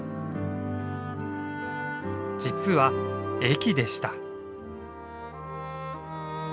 実は駅でした。